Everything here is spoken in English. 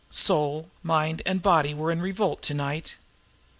Soul, mind and body were in revolt to night.